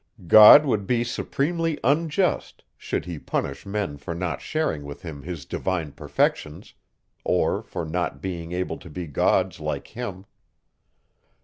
God would be supremely unjust, should he punish men for not sharing with him his divine perfections, or for not being able to be gods like him.